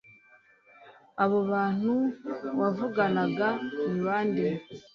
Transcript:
Abo bantu wavuganaga ni bande